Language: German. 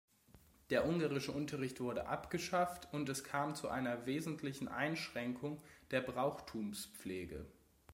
Der ungarische Unterricht wurde abgeschafft und es kam zu einer wesentlichen Einschränkung der Brauchtumspflege.